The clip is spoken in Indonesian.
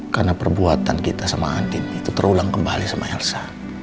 karena perbuatan kita sama adin itu terulang kembali sama elsa